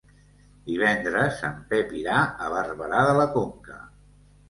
Divendres en Pep irà a Barberà de la Conca.